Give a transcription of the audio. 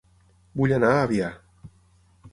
Vull anar a Avià